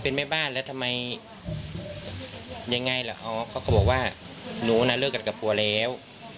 เป็นแม่บ้านแล้วทำไมยังไงล่ะอ๋อเขาก็บอกว่าหนูน่ะเลิกกันกับผัวแล้ว